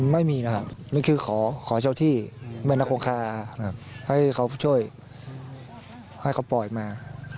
ไม่มีนะครับมันคือขอเช่าที่แม่น้ำโครงคาให้เขาช่วยให้เขาปล่อยมา